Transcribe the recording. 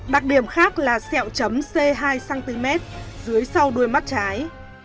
đặc điểm khác là sẹo chấm c hai cm dưới sau đuôi mắt trái